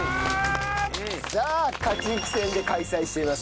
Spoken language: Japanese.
さあ勝ち抜き戦で開催しています